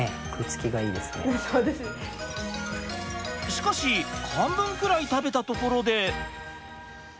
しかし半分くらい食べたところで。